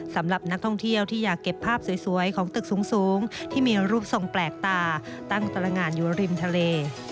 สำหรับนักท่องเที่ยวที่อยากเก็บภาพสวยของตึกสูงที่มีรูปทรงแปลกตาตั้งตรงานอยู่ริมทะเล